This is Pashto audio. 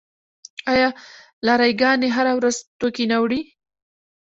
آیا لاری ګانې هره ورځ توکي نه وړي؟